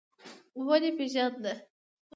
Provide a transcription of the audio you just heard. _ودې پېژانده؟